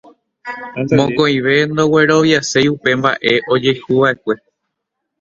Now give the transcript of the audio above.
Mokõive ndogueroviaséi upe mbaʼe ojehuvaʼekue.